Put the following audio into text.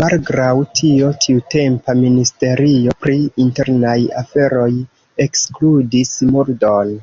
Malgraŭ tio tiutempa ministerio pri internaj aferoj ekskludis murdon.